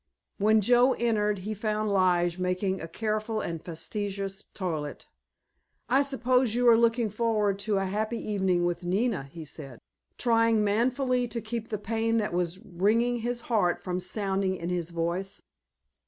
When Joe entered he found Lige making a careful and fastidious toilet. "I suppose you are looking forward to a happy evening with Nina," he said, trying manfully to keep the pain that was wringing his heart from sounding in his voice.